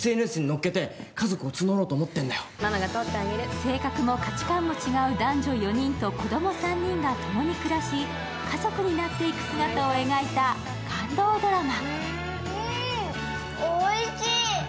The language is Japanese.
性格も価値観も違う男女４人と子供３人が共に暮らし家族になっていく姿を描いた感動ドラマ。